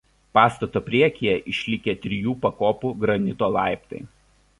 Pastato priekyje išlikę trijų pakopų granito laiptai.